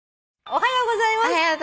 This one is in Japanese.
「おはようございます。